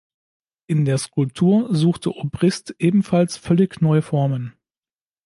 In der Skulptur suchte Obrist ebenfalls völlig neue Formen.